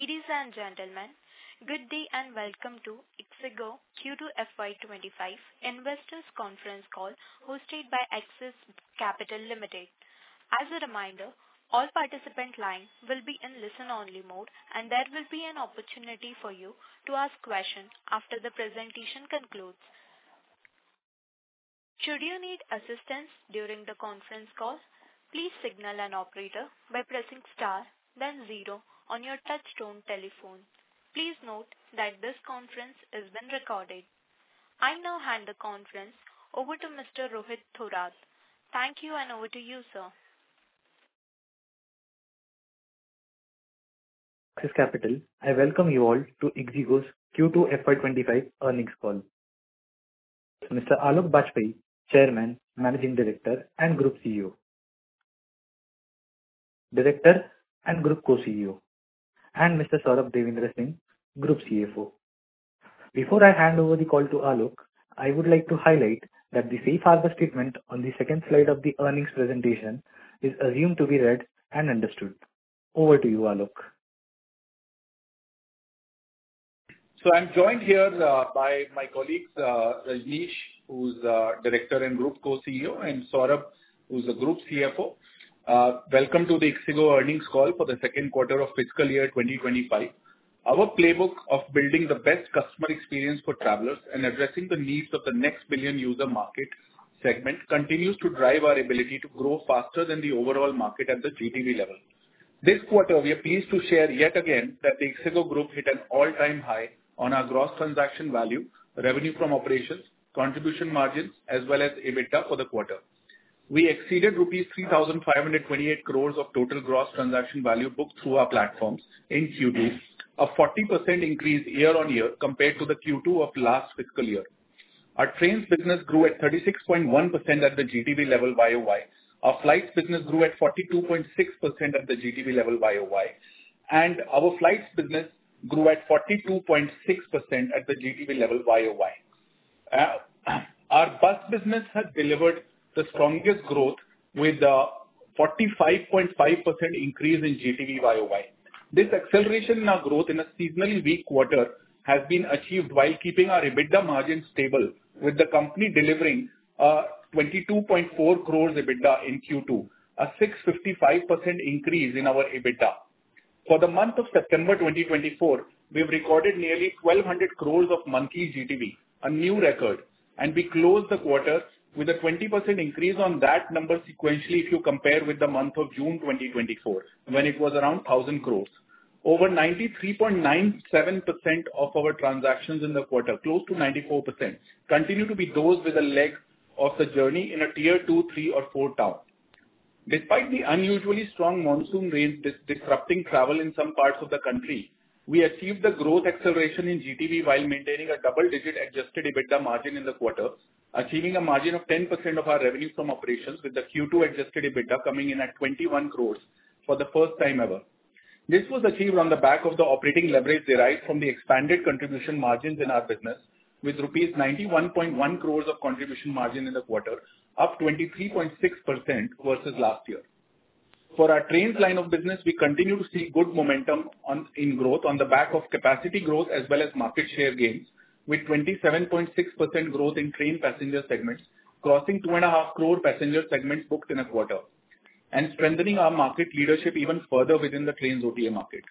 Ladies and gentlemen, good day and welcome to ixigo Q2 FY2025 Investors Conference Call, hosted by Axis Capital Limited. As a reminder, all participant lines will be in listen-only mode, and there will be an opportunity for you to ask questions after the presentation concludes. Should you need assistance during the conference call, please signal an operator by pressing star then zero on your touchtone telephone. Please note that this conference is being recorded. I now hand the conference over to Mr. Rohit Thorat. Thank you, and over to you, sir. Axis Capital, I welcome you all to ixigo's Q2 FY 2025 earnings call. Mr. Aloke Bajpai, Chairman, Managing Director, and Group CEO, Mr. Rajnish Kumar, Director and Group Co-CEO, and Mr. Saurabh Devendra Singh, Group CFO. Before I hand over the call to Aloke, I would like to highlight that the safe harbor statement on the second slide of the earnings presentation is assumed to be read and understood. Over to you, Aloke. I'm joined here by my colleagues, Rajnish, who's our Director and Group Co-CEO, and Saurabh, who's the Group CFO. Welcome to the ixigo earnings call for the second quarter of Fiscal Year 2025. Our playbook of building the best customer experience for travelers and addressing the needs of the next billion user market segment continues to drive our ability to grow faster than the overall market at the GDP level. This quarter, we are pleased to share yet again that the ixigo Group hit an all-time high on our gross transaction value, revenue from operations, contribution margins, as well as EBITDA for the quarter. We exceeded rupees 3,528 crore of total gross transaction value booked through our platforms in Q2, a 40% increase year on year compared to the Q2 of last fiscal year. Our trains business grew at 36.1% at the GTV level YoY. Our flights business grew at 42.6% at the GTV level YoY. Our bus business has delivered the strongest growth with a 45.5% increase in GTV YoY. This acceleration in our growth in a seasonally weak quarter has been achieved while keeping our EBITDA margins stable, with the company delivering 22.4 crore EBITDA in Q2, a 6.55% increase in our EBITDA. For the month of September 2024, we've recorded nearly 1,200 crore of monthly GTV, a new record, and we closed the quarter with a 20% increase on that number sequentially if you compare with the month of June 2024, when it was around 1,000 crore. Over 93.97% of our transactions in the quarter, close to 94%, continue to be those with a leg of the journey in a Tier 2, 3, or 4 town. Despite the unusually strong monsoon rains disrupting travel in some parts of the country, we achieved the growth acceleration in GTV while maintaining a double-digit adjusted EBITDA margin in the quarter, achieving a margin of 10% of our revenue from operations, with the Q2 adjusted EBITDA coming in at 21 crore for the first time ever. This was achieved on the back of the operating leverage derived from the expanded contribution margins in our business with rupees 91.1 crore of contribution margin in the quarter, up 23.6% versus last year. For our trains line of business, we continue to see good momentum in growth on the back of capacity growth as well as market share gains, with 27.6% growth in train passenger segments, crossing 2.5 crore passenger segments booked in a quarter, and strengthening our market leadership even further within the trains OTA market.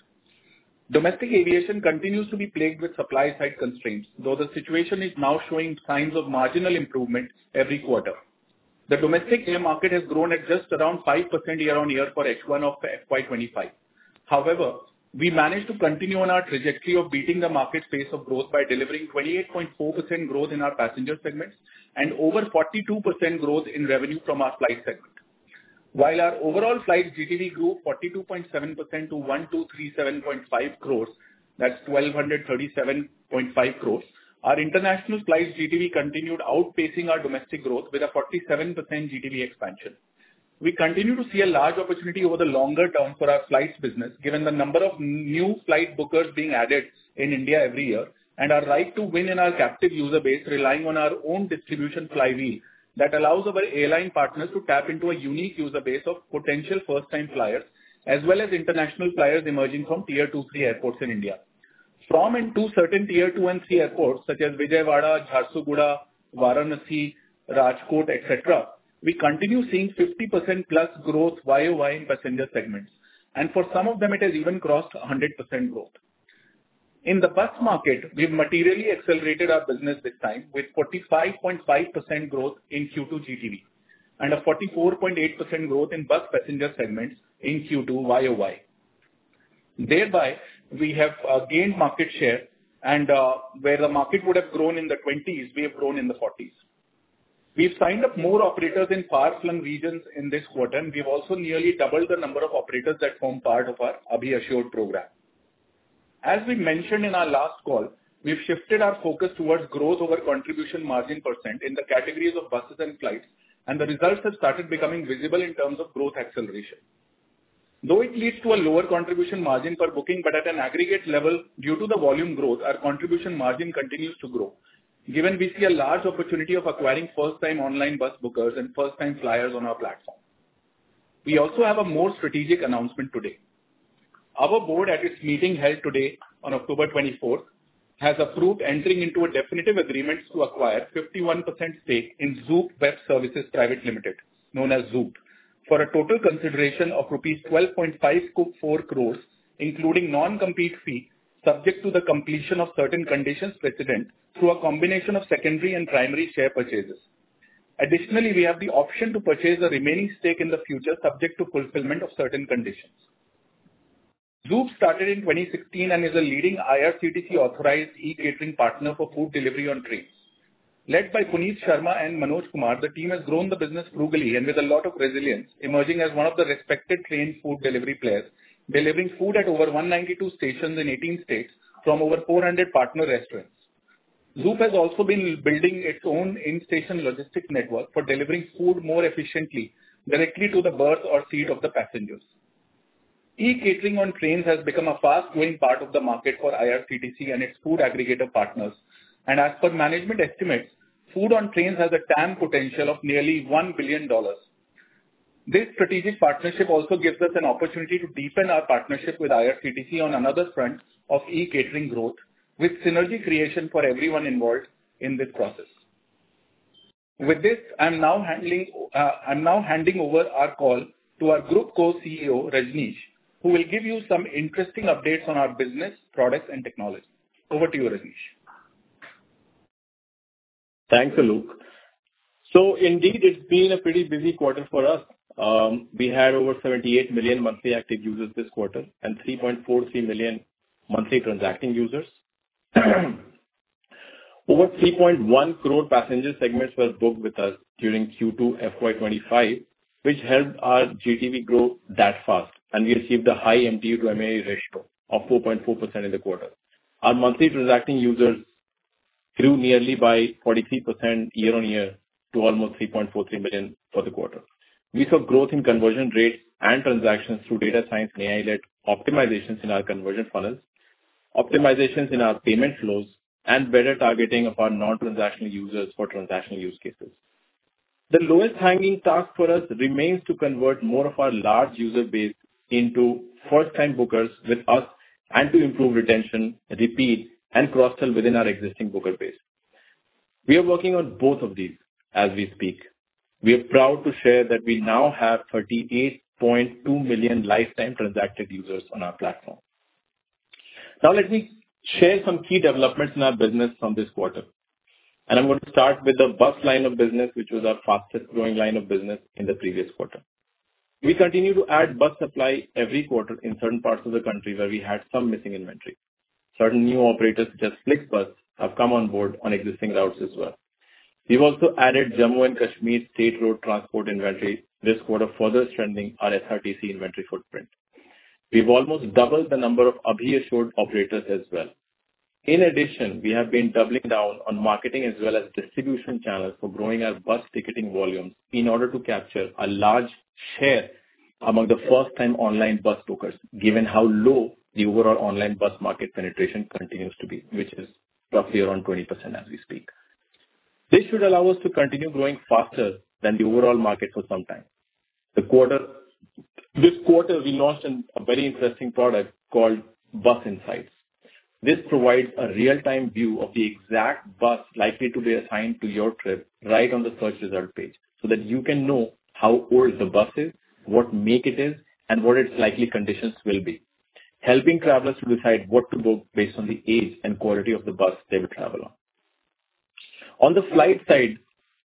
Domestic aviation continues to be plagued with supply-side constraints, though the situation is now showing signs of marginal improvement every quarter. The domestic air market has grown at just around 5% year on year for Q1 of FY 2025. However, we managed to continue on our trajectory of beating the market pace of growth by delivering 28.4% growth in our passenger segments and over 42% growth in revenue from our flight segment. While our overall flight GTV grew 42.7% to 1,237.5 crore, that's 1,237.5 crore, our international flight GTV continued outpacing our domestic growth with a 47% GTV expansion. We continue to see a large opportunity over the longer term for our flights business, given the number of new flight bookers being added in India every year, and our right to win in our captive user base, relying on our own distribution flywheel that allows our airline partners to tap into a unique user base of potential first-time flyers, as well as international flyers emerging from Tier 2, 3 airports in India. From and to certain Tier 2 and 3 airports, such as Vijayawada, Jharsuguda, Varanasi, Rajkot, et cetera, we continue seeing 50% plus growth YoY in passenger segments, and for some of them it has even crossed 100% growth. In the bus market, we've materially accelerated our business this time with 45.5% growth in Q2 GTV and a 44.8% growth in bus passenger segments in Q2 YoY. Thereby, we have gained market share and where the market would have grown in the twenties, we have grown in the forties. We've signed up more operators in far-flung regions in this quarter, and we've also nearly doubled the number of operators that form part of our Abhi Assured program. As we mentioned in our last call, we've shifted our focus towards growth over contribution margin percent in the categories of buses and flights, and the results have started becoming visible in terms of growth acceleration. Though it leads to a lower contribution margin per booking, but at an aggregate level, due to the volume growth, our contribution margin continues to grow, given we see a large opportunity of acquiring first-time online bus bookers and first-time flyers on our platform. We also have a more strategic announcement today. Our board, at its meeting held today on October 24th, has approved entering into a definitive agreement to acquire 51% stake in Zoop Web Services Private Limited, known as Zoop, for a total consideration of rupees 12.54 crore, including non-compete fee, subject to the completion of certain conditions precedent through a combination of secondary and primary share purchases. Additionally, we have the option to purchase the remaining stake in the future, subject to fulfillment of certain conditions. Zoop started in 2016 and is a leading IRCTC authorized e-catering partner for food delivery on trains. Led by Puneet Sharma and Manoj Kumar, the team has grown the business frugally and with a lot of resilience, emerging as one of the respected train food delivery players, delivering food at over 192 stations in 18 states from over 400 partner restaurants. Zoop has also been building its own in-station logistics network for delivering food more efficiently, directly to the berth or seat of the passengers. E-catering on trains has become a fast-growing part of the market for IRCTC and its food aggregator partners, and as per management estimates, food on trains has a TAM potential of nearly $1 billion. This strategic partnership also gives us an opportunity to deepen our partnership with IRCTC on another front of e-catering growth, with synergy creation for everyone involved in this process. With this, I'm now handing over our call to our Group Co-CEO, Rajnish, who will give you some interesting updates on our business, products, and technology. Over to you, Rajnish. Thanks, Aloke. So indeed, it's been a pretty busy quarter for us. We had over 78 million monthly active users this quarter and 3.43 million monthly transacting users. Over 3.1 crore passenger segments were booked with us during Q2 FY25, which helped our GTV grow that fast, and we achieved a high MTU to MAU ratio of 4.4% in the quarter. Our monthly transacting users grew nearly by 43% year on year to almost 3.43 million for the quarter. We saw growth in conversion rates and transactions through data science and AI-led optimizations in our conversion funnels, optimizations in our payment flows, and better targeting of our non-transactional users for transactional use cases. The lowest hanging task for us remains to convert more of our large user base into first-time bookers with us and to improve retention, repeat, and cross-sell within our existing booker base. We are working on both of these as we speak. We are proud to share that we now have 38.2 million lifetime transacted users on our platform. Now, let me share some key developments in our business from this quarter, and I'm going to start with the bus line of business, which was our fastest growing line of business in the previous quarter. We continue to add bus supply every quarter in certain parts of the country where we had some missing inventory. Certain new operators, such as FlixBus, have come on board on existing routes as well. We've also added Jammu and Kashmir State Road Transport inventory this quarter, further strengthening our SRTC inventory footprint. We've almost doubled the number of Abhi Assured operators as well. In addition, we have been doubling down on marketing as well as distribution channels for growing our bus ticketing volumes in order to capture a large share among the first-time online bus bookers, given how low the overall online bus market penetration continues to be, which is roughly around 20% as we speak. This should allow us to continue growing faster than the overall market for some time. This quarter, we launched a very interesting product called Bus Insights. This provides a real-time view of the exact bus likely to be assigned to your trip right on the search result page, so that you can know how old the bus is, what make it is, and what its likely conditions will be, helping travelers to decide what to book based on the age and quality of the bus they will travel on. On the flight side,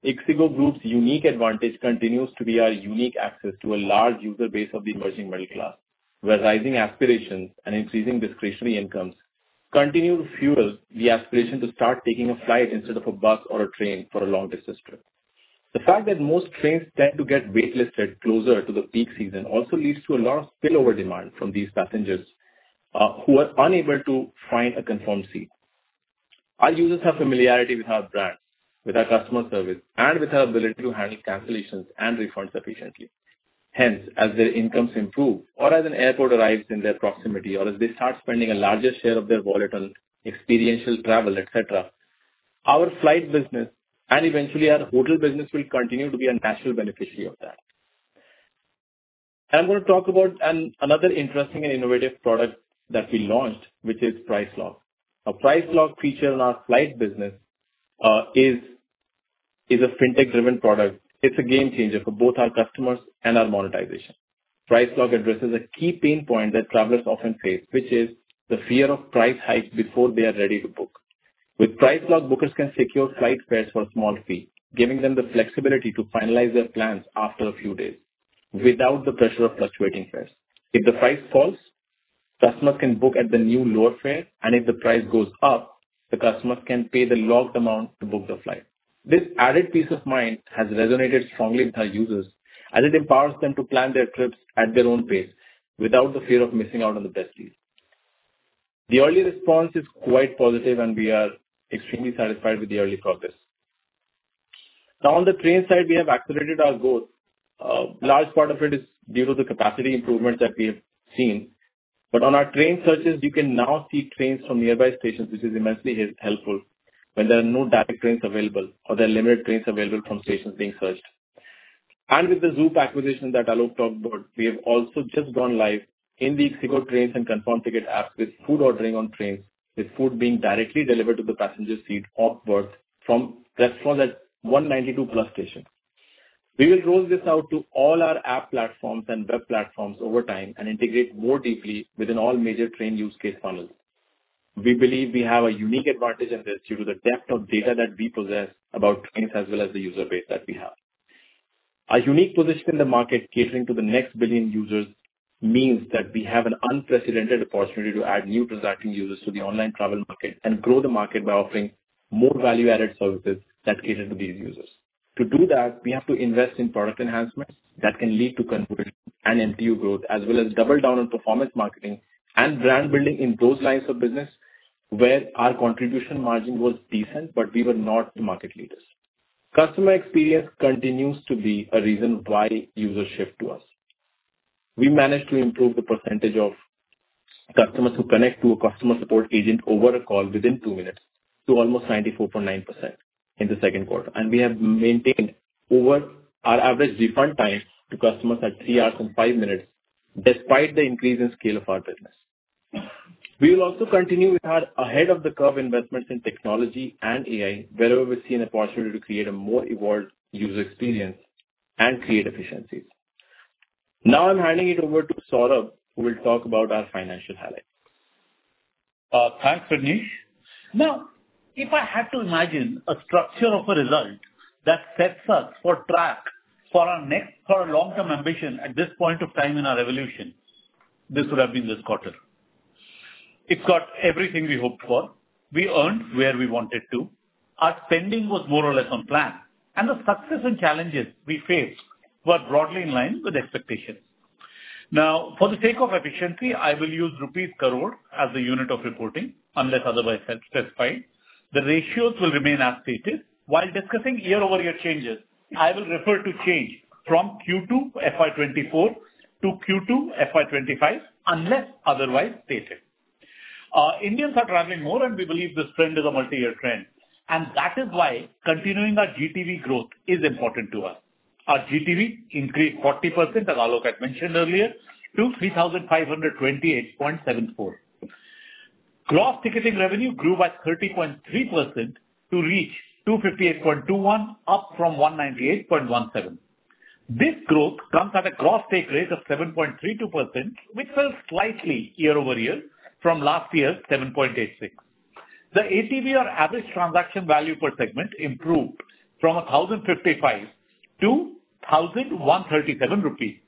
ixigo Group's unique advantage continues to be our unique access to a large user base of the emerging middle class, where rising aspirations and increasing discretionary incomes continue to fuel the aspiration to start taking a flight instead of a bus or a train for a long-distance trip. The fact that most trains tend to get waitlisted closer to the peak season also leads to a lot of spillover demand from these passengers, who are unable to find a confirmed seat. Our users have familiarity with our brand, with our customer service, and with our ability to handle cancellations and refunds efficiently. Hence, as their incomes improve or as an airport arrives in their proximity, or as they start spending a larger share of their wallet on experiential travel, et cetera, our flight business and eventually our hotel business will continue to be a natural beneficiary of that. I'm going to talk about another interesting and innovative product that we launched, which is Price Lock. A Price Lock feature in our flight business is a fintech-driven product. It's a game changer for both our customers and our monetization. Price Lock addresses a key pain point that travelers often face, which is the fear of price hikes before they are ready to book. With Price Lock, bookers can secure flight fares for a small fee, giving them the flexibility to finalize their plans after a few days without the pressure of fluctuating fares. If the price falls, customers can book at the new lower fare, and if the price goes up, the customers can pay the locked amount to book the flight. This added peace of mind has resonated strongly with our users, and it empowers them to plan their trips at their own pace without the fear of missing out on the best deals. The early response is quite positive, and we are extremely satisfied with the early progress. Now, on the train side, we have accelerated our growth. Large part of it is due to the capacity improvements that we have seen.... On our train searches, you can now see trains from nearby stations, which is immensely helpful when there are no direct trains available or there are limited trains available from stations being searched. With the Zoop acquisition that Aloke talked about, we have also just gone live in these ixigo Trains and ConfirmTkt apps with food ordering on trains, with food being directly delivered to the passenger seat onboard from that 192-plus stations. We will roll this out to all our app platforms and web platforms over time and integrate more deeply within all major train use case funnels. We believe we have a unique advantage in this due to the depth of data that we possess about trains, as well as the user base that we have. Our unique position in the market catering to the next billion users means that we have an unprecedented opportunity to add new transacting users to the online travel market and grow the market by offering more value-added services that cater to these users. To do that, we have to invest in product enhancements that can lead to conversion and MTU growth, as well as double down on performance marketing and brand building in those lines of business where our contribution margin was decent, but we were not the market leaders. Customer experience continues to be a reason why users shift to us. We managed to improve the percentage of customers who connect to a customer support agent over a call within two minutes to almost 94.9% in the second quarter, and we have maintained our average refund time to customers at three hours and five minutes, despite the increase in scale of our business. We will also continue with our ahead of the curve investments in technology and AI, wherever we see an opportunity to create a more evolved user experience and create efficiencies. Now I'm handing it over to Saurabh, who will talk about our financial highlights. Thanks, Rajnish. Now, if I had to imagine a structure of a result that sets us on track for our long-term ambition at this point of time in our evolution, this would have been this quarter. It got everything we hoped for. We earned where we wanted to. Our spending was more or less on plan, and the success and challenges we faced were broadly in line with expectations. Now, for the sake of efficiency, I will use rupee crore as the unit of reporting, unless otherwise specified. The ratios will remain as stated. While discussing year-over-year changes, I will refer to change from Q2 FY 2024 to Q2 FY 2025, unless otherwise stated. Indians are traveling more, and we believe this trend is a multi-year trend, and that is why continuing our GTV growth is important to us. Our GTV increased 40%, as Aloke had mentioned earlier, to 3,528.74 crore. Gross ticketing revenue grew by 30.3% to reach 258.21 crore, up from 198.17 crore. This growth comes at a gross take rate of 7.32%, which fell slightly year over year from last year's 7.86%. The ATV or average transaction value per segment improved from 1,055 to 1,137 rupee.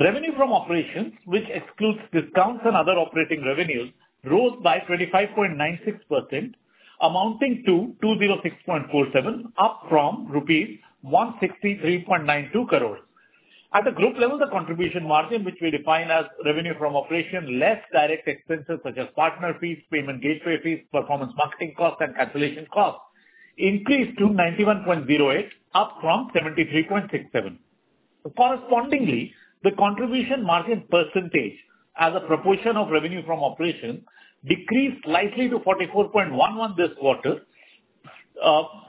Revenue from operations, which excludes discounts and other operating revenues, rose by 25.96%, amounting to 206.47 crore, up from rupees 163.92 crore. At the group level, the contribution margin, which we define as revenue from operation, less direct expenses such as partner fees, payment gateway fees, performance marketing costs, and cancellation costs, increased to 91.08, up from 73.67. Correspondingly, the contribution margin percentage as a proportion of revenue from operation decreased slightly to 44.11% this quarter,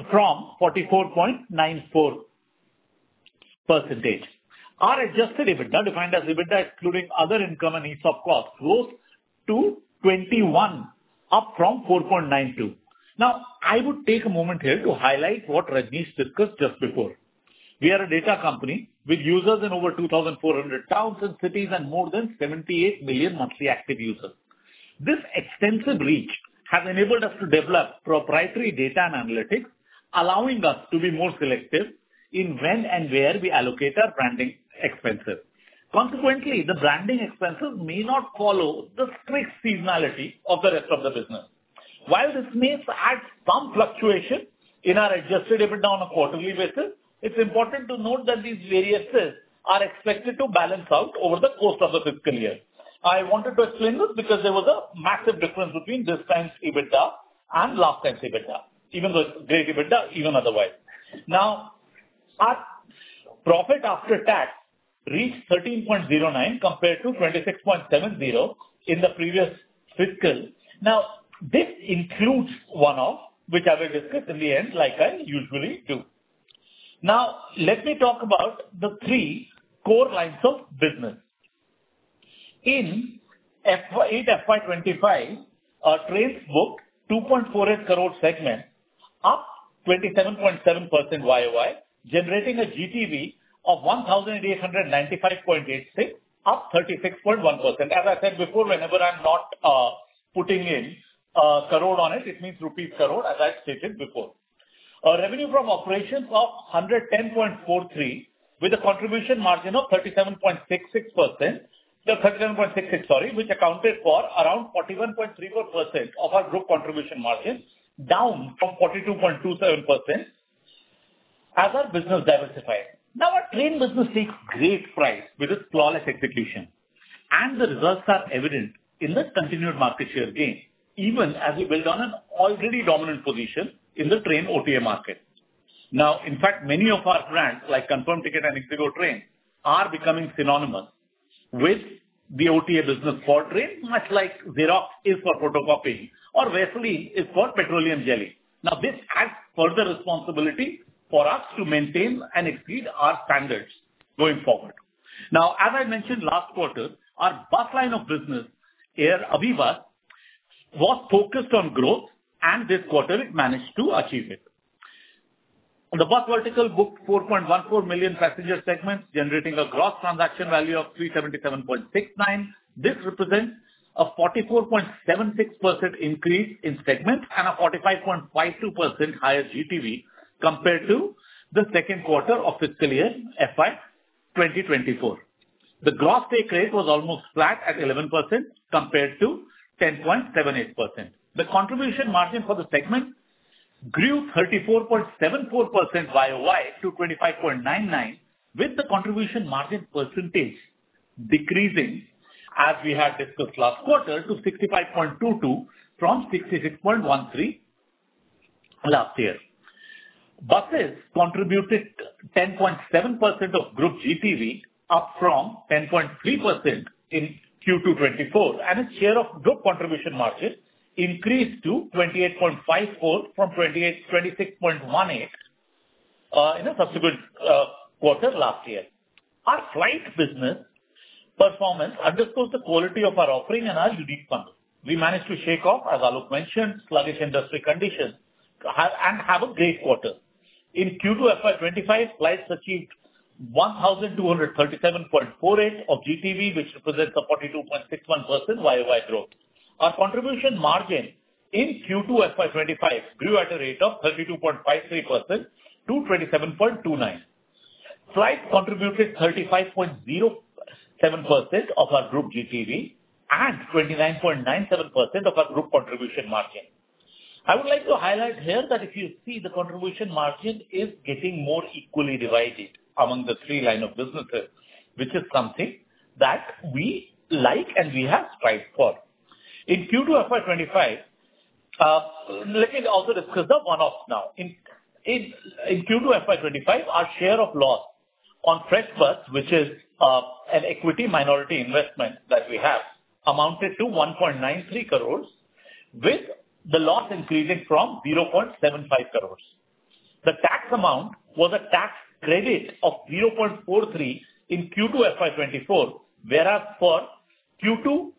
from 44.94%. Our adjusted EBITDA, defined as EBITDA excluding other income and ESOP costs, rose to 21, up from 4.92. Now, I would take a moment here to highlight what Rajnish discussed just before. We are a data company with users in over 2,400 towns and cities and more than 78 million monthly active users. This extensive reach has enabled us to develop proprietary data and analytics, allowing us to be more selective in when and where we allocate our branding expenses. Consequently, the branding expenses may not follow the strict seasonality of the rest of the business. While this may add some fluctuation in our adjusted EBITDA on a quarterly basis, it's important to note that these variances are expected to balance out over the course of the fiscal year. I wanted to explain this because there was a massive difference between this time's EBITDA and last time's EBITDA, even though it's great EBITDA, even otherwise. Now, our profit after tax reached 13.09, compared to 26.70 in the previous fiscal. Now, this includes one-off, which I will discuss in the end, like I usually do. Now, let me talk about the three core lines of business. In Q2 FY2025, our trains booked 2.48 crore segment, up 27.7% YoY, generating a GTV of 1,895.86, up 36.1%. As I said before, whenever I'm not putting in crore on it, it means rupee crore, as I've stated before. Our revenue from operations of 110.43, with a contribution margin of 37.66%... 37.66, sorry, which accounted for around 41.34% of our group contribution margin, down from 42.27% as our business diversified. Now, our train business takes great pride with its flawless execution, and the results are evident in the continued market share gain, even as we build on an already dominant position in the train OTA market. Now, in fact, many of our brands, like ConfirmTkt and ixigo Trains, are becoming synonymous with the OTA business for train, much like Xerox is for photocopying or Vaseline is for petroleum jelly. Now, this adds further responsibility for us to maintain and exceed our standards going forward. Now, as I mentioned last quarter, our bus line of business, here, AbhiBus, was focused on growth, and this quarter it managed to achieve it. The bus vertical booked 4.14 million passenger segments, generating a gross transaction value of 377.69. This represents a 44.76% increase in segments and a 45.52% higher GTV compared to the second quarter of fiscal year FY 2024. The gross take rate was almost flat at 11% compared to 10.78%. The contribution margin for the segment grew 34.74% YoY to 25.99, with the contribution margin percentage decreasing, as we had discussed last quarter, to 65.22 from 66.13 last year. Buses contributed 10.7% of group GTV, up from 10.3% in Q2 2024, and its share of group contribution margin increased to 28.54 from 26.18 in the subsequent quarter last year. Our flights business performance underscores the quality of our offering and our unique model. We managed to shake off, as Aloke mentioned, sluggish industry conditions and have a great quarter. In Q2 FY 2025, flights achieved 1,237.48 of GTV, which represents a 42.61% YoY growth. Our contribution margin in Q2 FY 2025 grew at a rate of 32.53% to 27.29%. Flights contributed 35.07% of our group GTV and 29.97% of our group contribution margin. I would like to highlight here that if you see the contribution margin is getting more equally divided among the three line of businesses, which is something that we like and we have strived for. In Q2 FY 2025, let me also discuss the one-offs now. In Q2 FY 2025, our share of loss on FreshBus, which is an equity minority investment that we have, amounted to 1.93 crore, with the loss increasing from 0.75 crore. The tax amount was a tax credit of 0.43 in Q2 FY 2024, whereas for Q2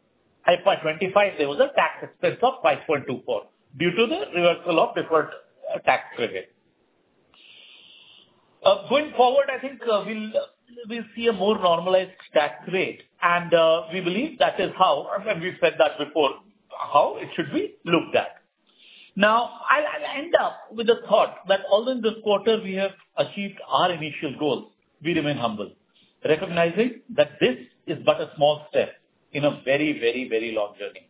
FY 2025, there was a tax expense of 5.24 due to the reversal of deferred tax credit. Going forward, I think we'll see a more normalized tax rate, and we believe that is how, and we've said that before, how it should be looked at. Now, I'll end up with a thought that although in this quarter we have achieved our initial goal, we remain humble, recognizing that this is but a small step in a very, very, very long journey.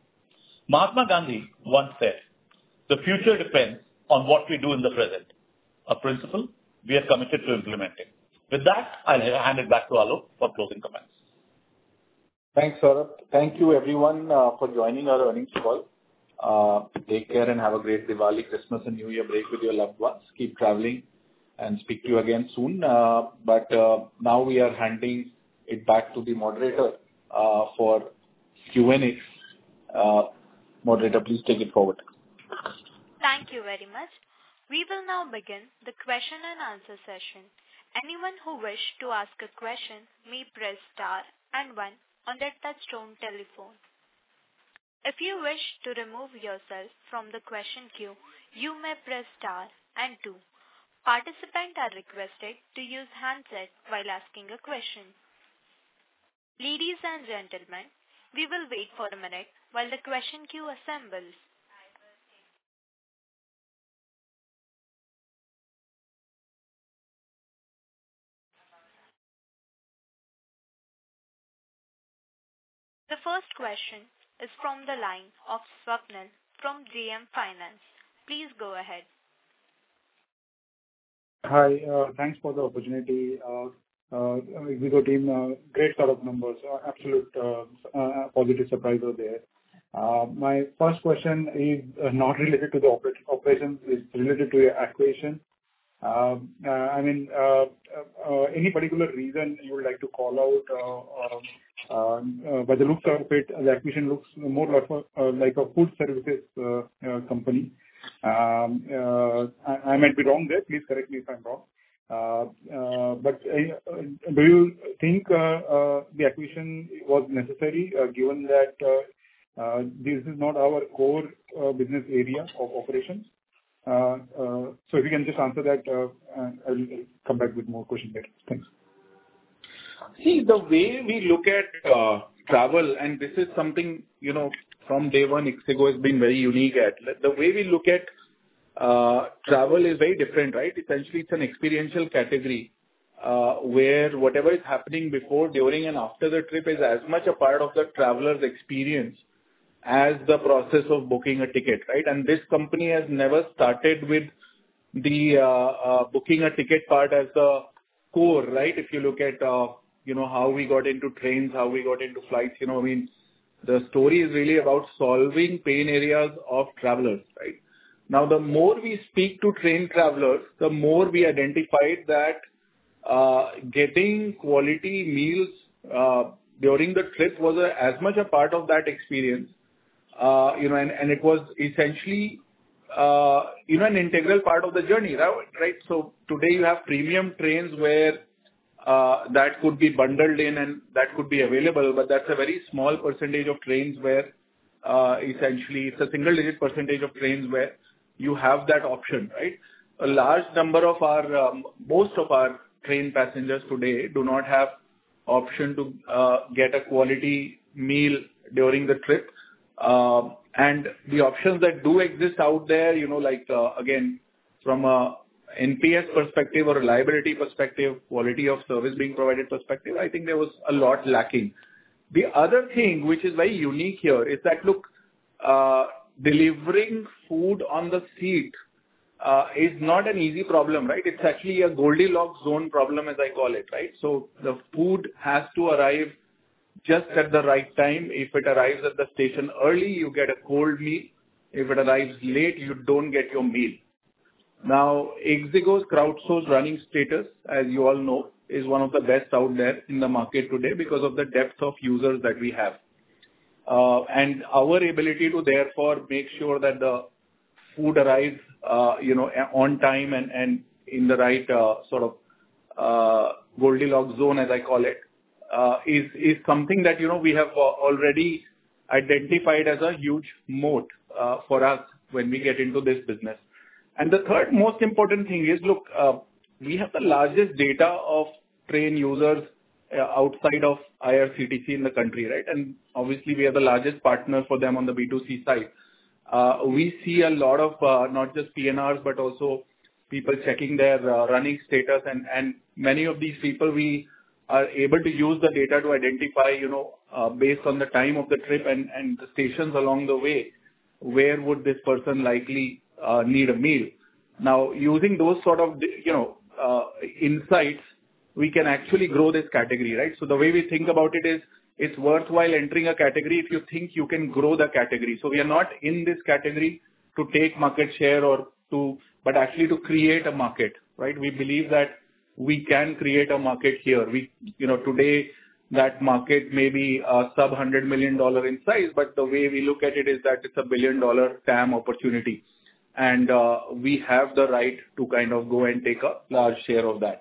Mahatma Gandhi once said, "The future depends on what we do in the present," a principle we are committed to implementing. With that, I'll hand it back to Aloke for closing comments. Thanks, Saurabh. Thank you, everyone, for joining our earnings call. Take care and have a great Diwali, Christmas, and New Year break with your loved ones. Keep traveling and speak to you again soon. But, now we are handing it back to the moderator, for Q&A. Moderator, please take it forward. Thank you very much. We will now begin the question and answer session. Anyone who wishes to ask a question may press star and one on their touchtone telephone. If you wish to remove yourself from the question queue, you may press star and two. Participants are requested to use handset while asking a question. Ladies and gentlemen, we will wait for a minute while the question queue assembles. The first question is from the line of Swapnil from JM Financial. Please go ahead. Hi, thanks for the opportunity. ixigo team, great set of numbers. Absolute positive surprise are there. My first question is not related to the operations, is related to your acquisition. I mean, any particular reason you would like to call out, by the looks of it, the acquisition looks more like a, like a food services company. I might be wrong there. Please correct me if I'm wrong. But, do you think the acquisition was necessary, given that this is not our core business area of operations? So if you can just answer that, and I'll come back with more questions later. Thanks. See, the way we look at travel, and this is something, you know, from day one, ixigo has been very unique at. The way we look at travel is very different, right? Essentially, it's an experiential category, where whatever is happening before, during, and after the trip is as much a part of the traveler's experience as the process of booking a ticket, right? And this company has never started with the booking a ticket part as the core, right? If you look at, you know, how we got into trains, how we got into flights, you know, I mean, the story is really about solving pain areas of travelers, right? Now, the more we speak to train travelers, the more we identified that, getting quality meals, during the trip was a, as much a part of that experience, you know, and, and it was essentially, even an integral part of the journey, right? So today you have premium trains where, that could be bundled in and that could be available, but that's a very small percentage of trains where, essentially it's a single-digit percentage of trains where you have that option, right? A large number of our, most of our train passengers today do not have option to, get a quality meal during the trip, and the options that do exist out there, you know, like, again, from a NPS perspective or a liability perspective, quality of service being provided perspective, I think there was a lot lacking. The other thing which is very unique here is that, look, delivering food on the seat, is not an easy problem, right? It's actually a Goldilocks zone problem, as I call it, right? So the food has to arrive just at the right time. If it arrives at the station early, you get a cold meal. If it arrives late, you don't get your meal. Now, ixigo's crowdsourced running status, as you all know, is one of the best out there in the market today because of the depth of users that we have. And our ability to therefore make sure that the food arrives, you know, on time and in the right sort of Goldilocks zone, as I call it, is something that, you know, we have already identified as a huge moat for us when we get into this business. And the third most important thing is, look, we have the largest data of train users outside of IRCTC in the country, right? And obviously, we are the largest partner for them on the B2C side. We see a lot of, not just PNRs, but also people checking their running status. Many of these people, we are able to use the data to identify, you know, based on the time of the trip and the stations along the way, where would this person likely need a meal. Now, using those sort of insights, we can actually grow this category, right? So the way we think about it is, it's worthwhile entering a category if you think you can grow the category. So we are not in this category to take market share or to, but actually to create a market, right? We believe that we can create a market here. You know, today, that market may be sub-$100 million in size, but the way we look at it is that it's a $1 billion TAM opportunity, and we have the right to kind of go and take a large share of that.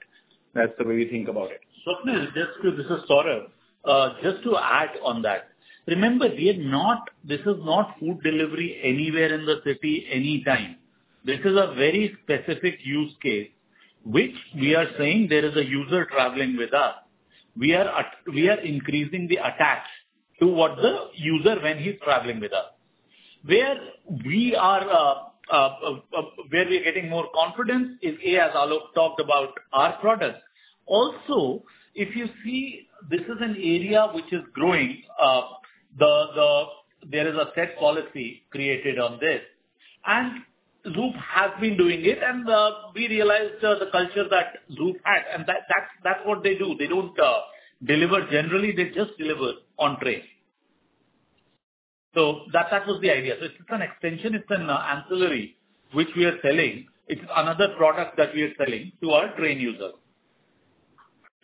That's the way we think about it. Swapnil, just to... This is Saurabh. Just to add on that, remember, we are not-- this is not food delivery anywhere in the city, anytime. This is a very specific use case, which we are saying there is a user traveling with us. We are at-- we are increasing the attach to what the user when he's traveling with us. Where we are, where we are getting more confidence is, A, as Aloke talked about, our products. Also, if you see, this is an area which is growing. There is a set policy created on this, and Zoop has been doing it, and we realized, the culture that Zoop had, and that, that's what they do. They don't deliver generally, they just deliver on train. So that was the idea. It's an extension, it's an ancillary, which we are selling. It's another product that we are selling to our train users.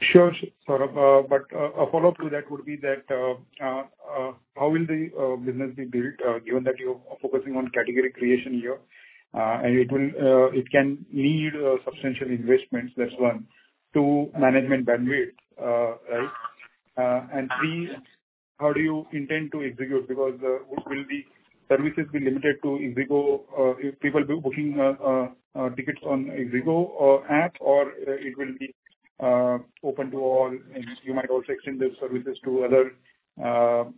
Sure, Saurabh. But, a follow-up to that would be that, how will the business be built, given that you are focusing on category creation here? And it will, it can need substantial investments, that's one. Two, management bandwidth, right? And three, how do you intend to execute? Because, will the services be limited to ixigo, if people are booking tickets on ixigo app, or, it will be open to all, and you might also extend the services to other,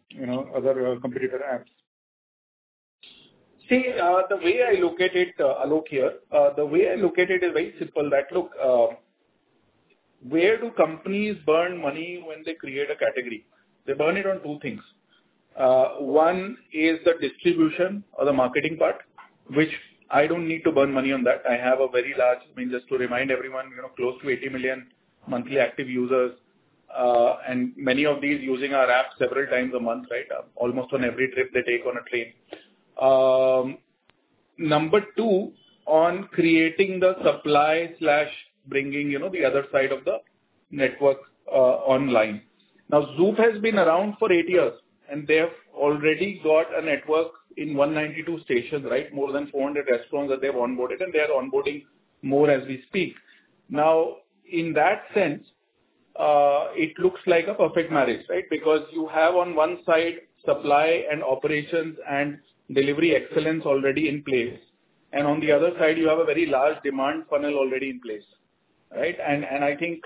you know, other competitor apps. See, the way I look at it, Aloke, here, the way I look at it is very simple, where do companies burn money when they create a category? They burn it on two things. One is the distribution or the marketing part, which I don't need to burn money on that. I have a very large. I mean, just to remind everyone, you know, close to 80 million monthly active users, and many of these using our app several times a month, right? Almost on every trip they take on a train. Number two, on creating the supply slash bringing, you know, the other side of the network, online. Now, Zoop has been around for eight years, and they have already got a network in 192 stations, right? More than four hundred restaurants that they've onboarded, and they are onboarding more as we speak. Now, in that sense, it looks like a perfect marriage, right? Because you have on one side supply and operations and delivery excellence already in place, and on the other side, you have a very large demand funnel already in place, right? And I think,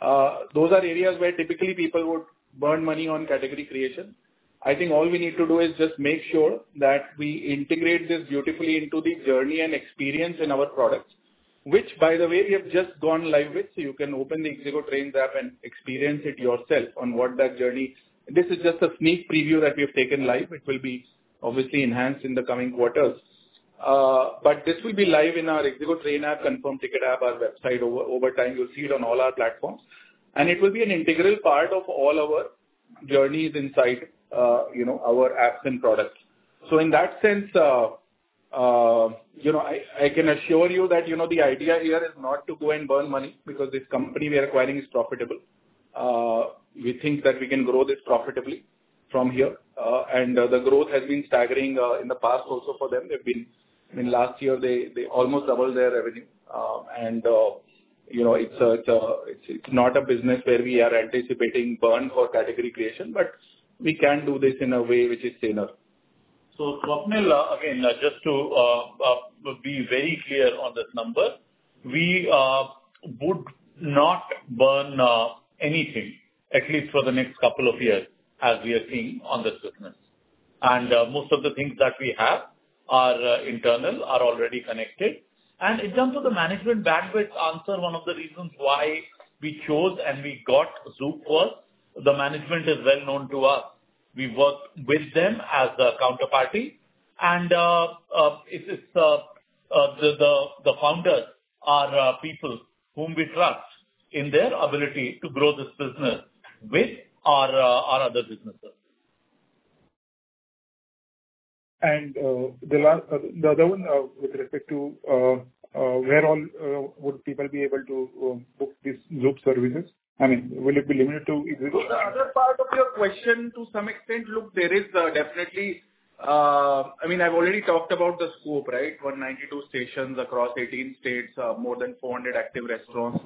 those are areas where typically people would burn money on category creation. I think all we need to do is just make sure that we integrate this beautifully into the journey and experience in our products, which, by the way, we have just gone live with. So you can open the ixigo Trains app and experience it yourself on what that journey... This is just a sneak preview that we've taken live. It will be obviously enhanced in the coming quarters.... But this will be live in our ixigo Trains app, ConfirmTkt app, our website. Over time, you'll see it on all our platforms, and it will be an integral part of all our journeys inside, you know, our apps and products. So in that sense, you know, I can assure you that, you know, the idea here is not to go and burn money because this company we are acquiring is profitable. We think that we can grow this profitably from here. And the growth has been staggering in the past also for them. They've been—I mean, last year they almost doubled their revenue. And you know, it's not a business where we are anticipating burn for category creation, but we can do this in a way which is thinner. So Swapnil, again, just to be very clear on this number. We would not burn anything, at least for the next couple of years, as we are seeing on this business. And most of the things that we have are internal, are already connected. And in terms of the management bandwidth, and one of the reasons why we chose and we got Zoop was the management is well known to us. We work with them as a counterparty and it's the founders are people whom we trust in their ability to grow this business with our other businesses. The other one, with respect to where all would people be able to book these Zoop services? I mean, will it be limited to ixigo? So the other part of your question, to some extent, look, there is definitely. I mean, I've already talked about the scope, right? 192 stations across 18 states, more than 400 active restaurants.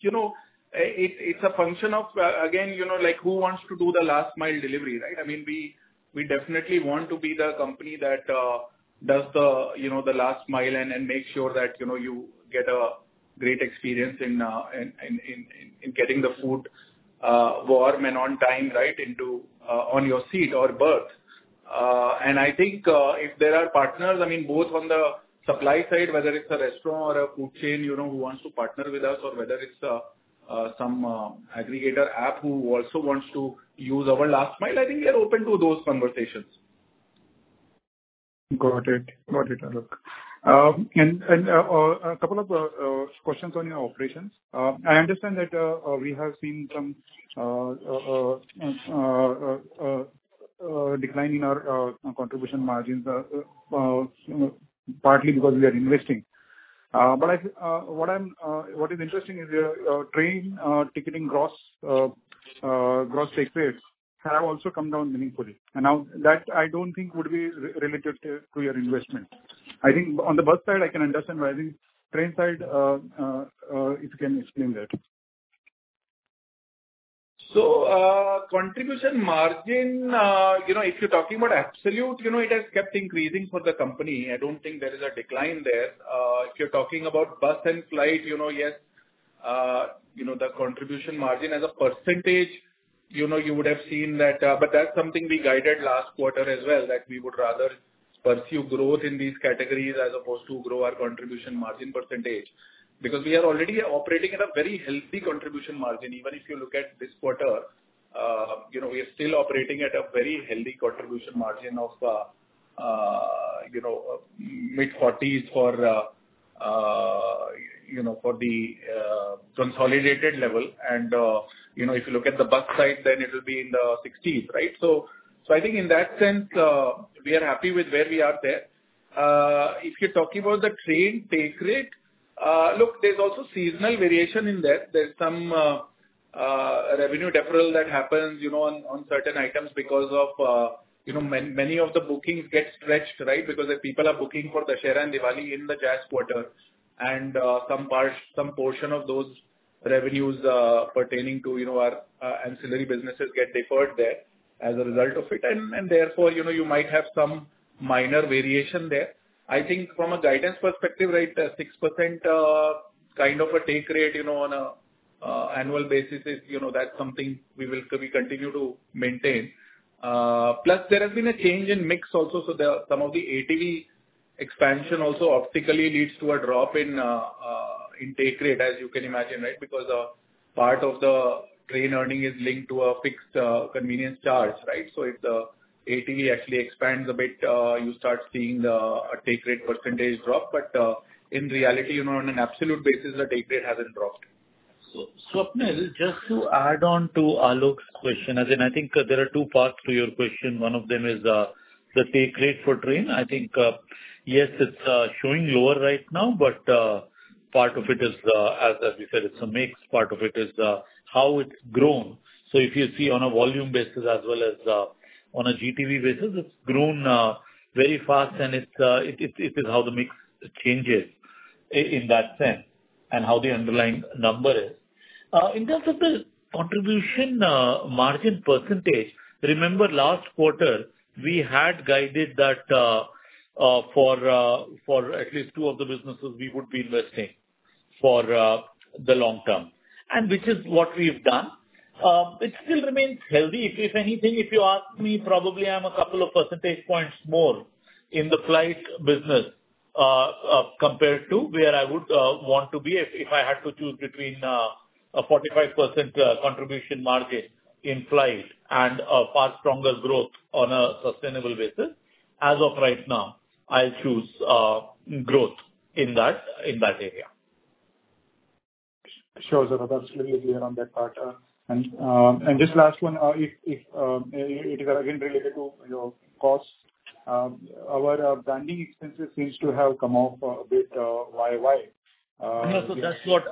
You know, it's a function of, again, you know, like, who wants to do the last mile delivery, right? I mean, we definitely want to be the company that does the, you know, the last mile and makes sure that, you know, you get a great experience in getting the food warm and on time, right, into on your seat or berth. And I think, if there are partners, I mean, both on the supply side, whether it's a restaurant or a food chain, you know, who wants to partner with us, or whether it's some aggregator app who also wants to use our last mile, I think we are open to those conversations. Got it. Got it, Aloke. A couple of questions on your operations. I understand that we have seen some decline in our contribution margins, you know, partly because we are investing. But what is interesting is your train ticketing gross take rates have also come down meaningfully, and not that, I don't think would be related to your investment. I think on the bus side, I can understand why. I think train side, if you can explain that. So, contribution margin, you know, if you're talking about absolute, you know, it has kept increasing for the company. I don't think there is a decline there. If you're talking about bus and flight, you know, yes, the contribution margin as a percentage, you know, you would have seen that, but that's something we guided last quarter as well, that we would rather pursue growth in these categories, as opposed to grow our contribution margin percentage. Because we are already operating at a very healthy contribution margin. Even if you look at this quarter, you know, we are still operating at a very healthy contribution margin of, you know, mid-forties for, you know, for the, consolidated level, and, you know, if you look at the bus side, then it will be in the sixties, right? So I think in that sense, we are happy with where we are there. If you're talking about the train take rate, look, there's also seasonal variation in that. There's some revenue deferral that happens, you know, on certain items because of, you know, many of the bookings get stretched, right? Because if people are booking for Dussehra and Diwali in the Q3 quarter, and some part, some portion of those revenues pertaining to, you know, our ancillary businesses get deferred there as a result of it. And therefore, you know, you might have some minor variation there. I think from a guidance perspective, right, 6% kind of a take rate, you know, on an annual basis is, you know, that's something we will continue to maintain. Plus, there has been a change in mix also, so there are some of the ATV expansion also optically leads to a drop in take rate, as you can imagine, right? Because, part of the train earning is linked to a fixed convenience charge, right? So if the AT actually expands a bit, you start seeing the take rate percentage drop. But, in reality, you know, on an absolute basis, the take rate hasn't dropped. So Swapnil, just to add on to Alok's question, again, I think there are two parts to your question. One of them is, the take rate for train. I think, yes, it's, showing lower right now, but, part of it is, as we said, it's a mix. Part of it is, how it's grown. So if you see on a volume basis as well as, on a GTV basis, it's grown, very fast, and it's, it is how the mix changes in that sense and how the underlying number is. In terms of the contribution margin percentage, remember last quarter we had guided that, for at least two of the businesses we would be investing for, the long term, and which is what we've done. It still remains healthy. If anything, if you ask me, probably I'm a couple of percentage points more in the flight business, compared to where I would want to be if I had to choose between a 45% contribution margin in flight and a far stronger growth on a sustainable basis. As of right now, I'll choose growth in that area. Sure, sir. Absolutely clear on that part, and just last one, if it is again related to your costs, our branding expenses seems to have come off a bit, why? No, so that's what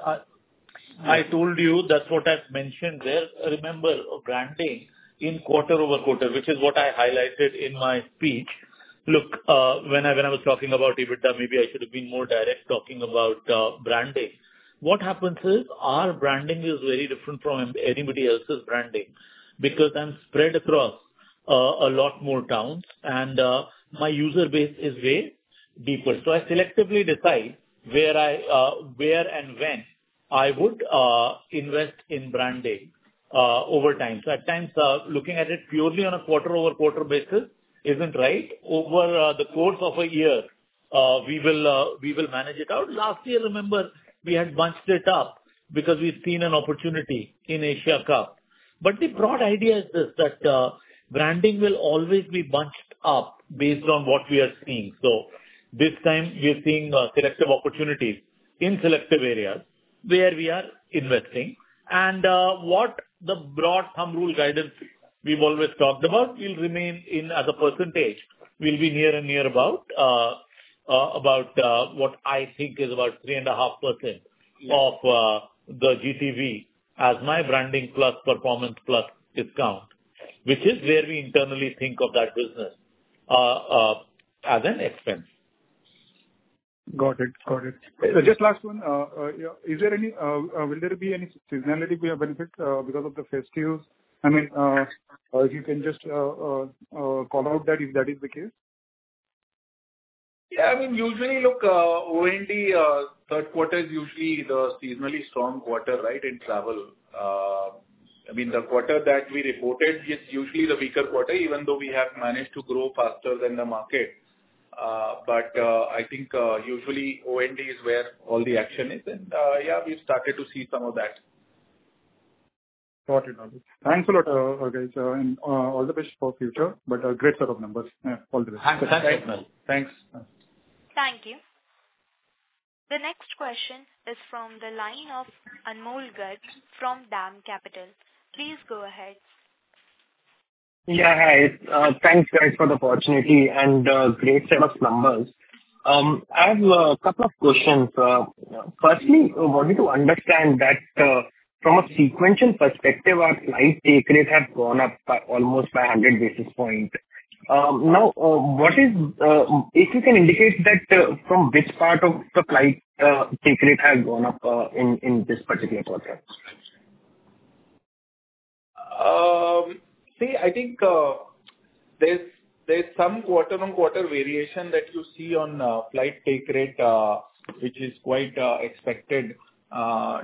I told you. That's what I've mentioned there. Remember, branding in quarter over quarter, which is what I highlighted in my speech. Look, when I was talking about EBITDA, maybe I should have been more direct talking about branding. What happens is, our branding is very different from anybody else's branding because I'm spread across a lot more towns, and my user base is way deeper, so I selectively decide where and when I would invest in branding over time, so at times, looking at it purely on a quarter-over-quarter basis isn't right. Over the course of a year, we will manage it out. Last year, remember, we had bunched it up because we've seen an opportunity in Asia Cup. But the broad idea is this, that branding will always be bunched up based on what we are seeing. So this time we are seeing selective opportunities in selective areas where we are investing. And what the broad thumb rule guidance we've always talked about will remain in as a percentage, will be near and about what I think is about 3.5%. Yeah. of the GTV as my branding plus performance plus discount, which is where we internally think of that business as an expense. Got it. Got it. So just last one, will there be any seasonality benefit because of the festives? I mean, you can just call out that if that is the case. Yeah, I mean, usually, look, OND, third quarter is usually the seasonally strong quarter, right, in travel. I mean, the quarter that we reported is usually the weaker quarter, even though we have managed to grow faster than the market. But, I think, usually OND is where all the action is. And, yeah, we've started to see some of that. Got it. Thanks a lot, guys, and all the best for future. But a great set of numbers. Yeah, all the best. Thanks. Thanks. Thank you. The next question is from the line of Anmol Garg from DAM Capital. Please go ahead. Yeah, hi. Thanks, guys, for the opportunity and great set of numbers. I have a couple of questions. Firstly, I wanted to understand that from a sequential perspective, our flight take rate have gone up by almost 100 basis points. Now, what is, if you can indicate that, from which part of the flight take rate has gone up in this particular quarter? See, I think, there's some quarter-on-quarter variation that you see on flight take rate, which is quite expected,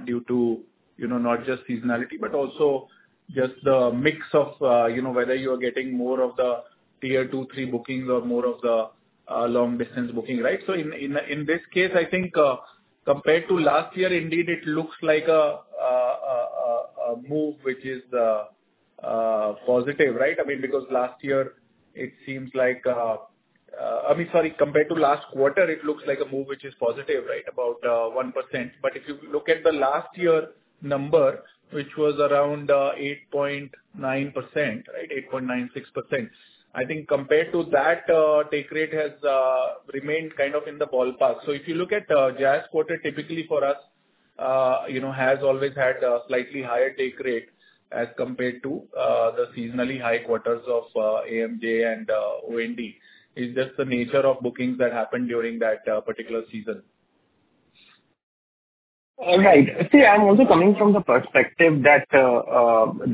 due to, you know, not just seasonality, but also just the mix of, you know, whether you are getting more of the Tier 2, Tier 3 bookings or more of the long-distance booking, right? So in this case, I think, compared to last year, indeed, it looks like a move which is positive, right? I mean, because last year it seems like, I mean, sorry, compared to last quarter, it looks like a move which is positive, right? About 1%. But if you look at the last year number, which was around 8.9%, right? 8.96%. I think compared to that, take rate has remained kind of in the ballpark. So if you look at JAS quarter, typically for us, you know, has always had a slightly higher take rate as compared to the seasonally high quarters of AMJ and OND. It's just the nature of bookings that happened during that particular season. Right. See, I'm also coming from the perspective that there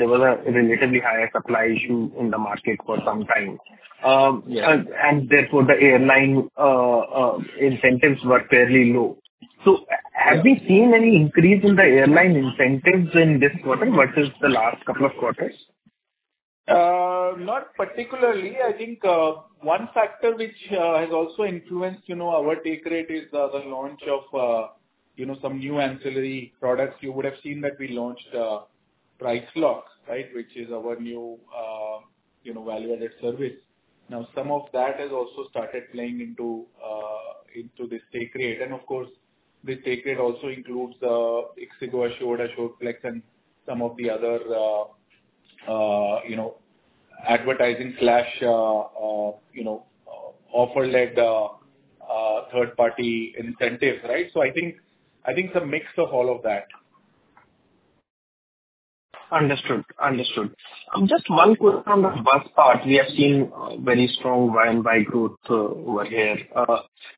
was a relatively higher supply issue in the market for some time. Yeah. And therefore, the airline incentives were fairly low. So have we seen any increase in the airline incentives in this quarter versus the last couple of quarters? Not particularly. I think one factor which has also influenced, you know, our take rate is the launch of, you know, some new ancillary products. You would have seen that we launched Price Lock, right? Which is our new, you know, value-added service. Now, some of that has also started playing into this take rate. And of course, this take rate also includes ixigo Assured, Assured Flex, and some of the other, you know, advertising slash offer-led third-party incentives, right? So I think it's a mix of all of that. Understood. Understood. Just one question on the bus part. We have seen very strong Y and Y growth over here.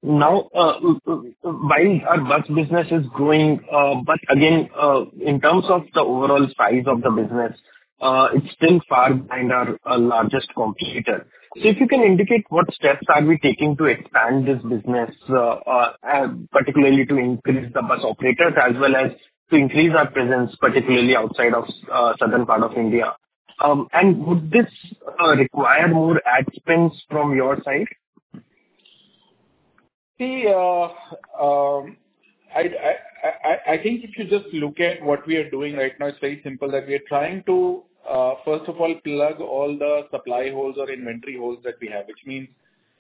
Now, while our bus business is growing, but again, in terms of the overall size of the business, it's still far behind our largest competitor. So if you can indicate what steps are we taking to expand this business, and particularly to increase the bus operators, as well as to increase our presence, particularly outside of southern part of India? And would this require more ad spends from your side? See, I think if you just look at what we are doing right now, it's very simple, that we are trying to, first of all, plug all the supply holes or inventory holes that we have. Which means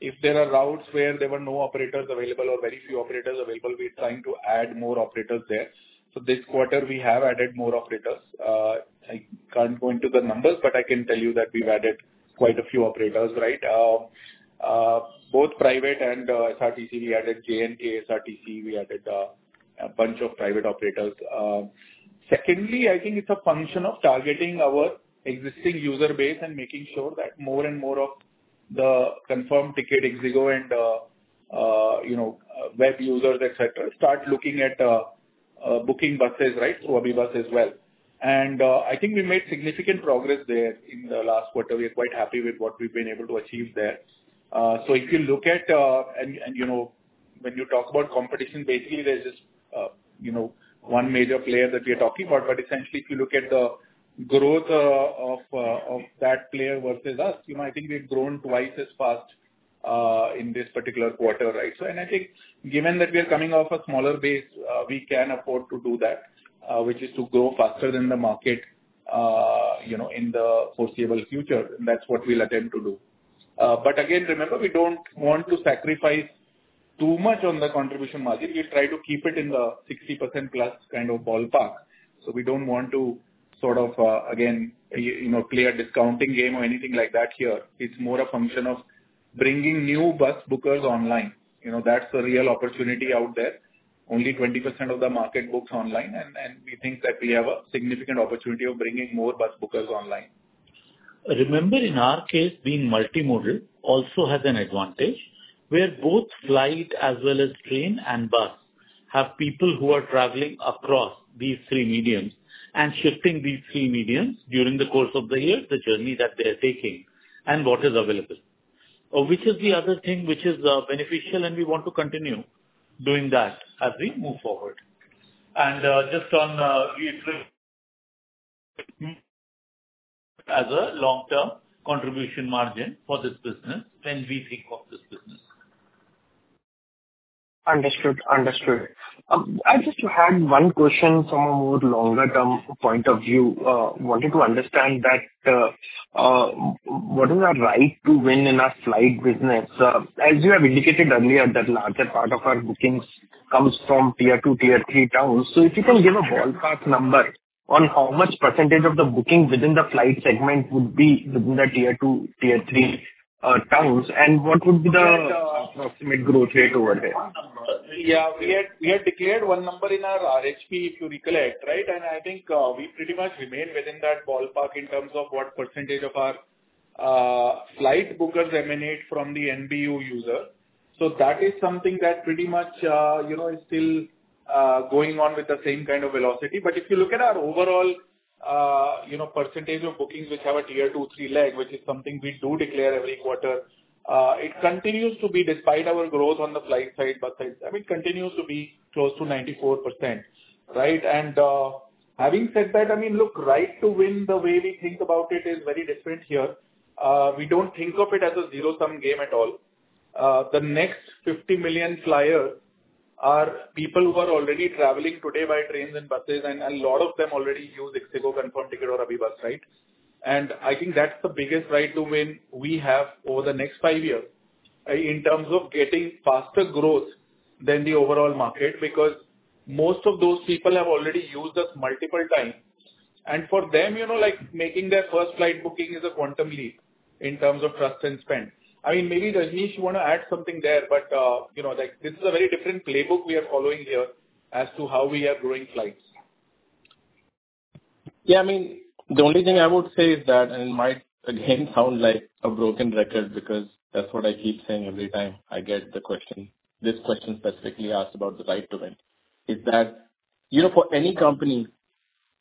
if there are routes where there were no operators available or very few operators available, we're trying to add more operators there. So this quarter we have added more operators. I can't go into the numbers, but I can tell you that we've added quite a few operators, right? Both private and SRTC, we added J&K SRTC, we added a bunch of private operators. Secondly, I think it's a function of targeting our existing user base and making sure that more and more of the ConfirmTkt, ixigo and, you know, web users, et cetera, start looking at, booking buses, right? So AbhiBus as well. I think we made significant progress there in the last quarter. We are quite happy with what we've been able to achieve there. So if you look at. You know, when you talk about competition, basically there's just, you know, one major player that we are talking about. But essentially, if you look at the growth of that player versus us, you know, I think we've grown twice as fast in this particular quarter, right? So and I think given that we are coming off a smaller base, we can afford to do that, which is to grow faster than the market, you know, in the foreseeable future, and that's what we'll attempt to do. But again, remember, we don't want to sacrifice too much on the Contribution Margin. We try to keep it in the 60% plus kind of ballpark. So we don't want to sort of, again, you know, play a discounting game or anything like that here. It's more a function of bringing new bus bookers online. You know, that's the real opportunity out there. Only 20% of the market books online, and we think that we have a significant opportunity of bringing more bus bookers online. Remember, in our case, being multimodal also has an advantage, where both flight as well as train and bus have people who are traveling across these three mediums and shifting these three mediums during the course of the year, the journey that they are taking and what is available. Which is the other thing which is beneficial, and we want to continue doing that as we move forward. And just on as a long-term contribution margin for this business when we think of this business. Understood. I just had one question from a more longer term point of view. Wanted to understand that, what is our right to win in our flight business? As you have indicated earlier, that larger part of our bookings comes from Tier Two, Tier Three towns. So if you can give a ballpark number on how much percentage of the booking within the flight segment would be within the Tier Two, Tier Three, towns, and what would be the approximate growth rate over there? Yeah, we had declared one number in our RHP, if you recollect, right? And I think, we pretty much remain within that ballpark in terms of what percentage of our, flight bookers emanate from the NBU user. So that is something that pretty much, you know, is still, going on with the same kind of velocity. But if you look at our overall, you know, percentage of bookings, which have a Tier Two, Three leg, which is something we do declare every quarter, it continues to be despite our growth on the flight side, bus side, I mean, continues to be close to 94%, right? And, having said that, I mean, look, right to win, the way we think about it is very different here. We don't think of it as a zero-sum game at all. The next fifty million flyers are people who are already traveling today by trains and buses, and a lot of them already use ixigo, ConfirmTkt or AbhiBus, right? And I think that's the biggest right to win we have over the next five years, in terms of getting faster growth than the overall market, because most of those people have already used us multiple times. And for them, you know, like, making their first flight booking is a quantum leap in terms of trust and spend. I mean, maybe, Rajnish, you want to add something there, but, you know, like, this is a very different playbook we are following here as to how we are growing flights. Yeah, I mean, the only thing I would say is that, and it might again sound like a broken record, because that's what I keep saying every time I get the question. This question specifically asked about the right to win, is that, you know, for any company,